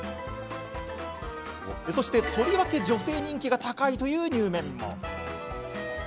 そして、とりわけ女性人気が高いという、にゅうめんも。